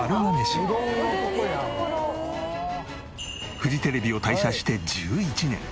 フジテレビを退社して１１年。